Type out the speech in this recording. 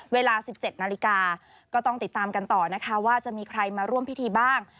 เวลา๑๗นาฬิกาก็ต้องติดตามกันต่อนะคะว่าจะมีใครมาร่วมพิธีบ้าง